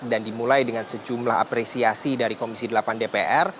dan dimulai dengan sejumlah apresiasi dari komisi delapan dpr